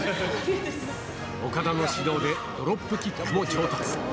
オカダの指導でドロップキックも上達。